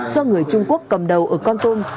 do người trung quốc cầm đầu ở con tôn